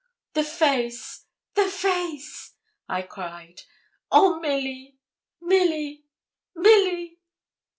'The face! the face!' I cried. 'Oh, Milly! Milly! Milly!'